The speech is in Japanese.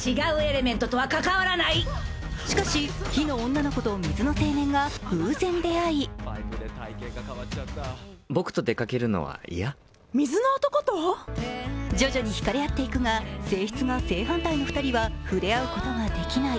しかし、火の女の子と水の青年が徐々に引かれ合っていくが性質が正反対の２人は触れ合うことができない。